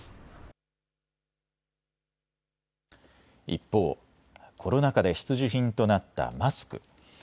一方、コロナ禍で必需品となったマスク。